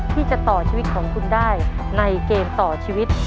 ที่จะต่อชีวิตของคุณได้ในเกมต่อชีวิต